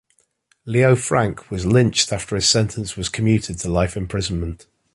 Leo Frank was lynched after his sentence was commuted to life imprisonment.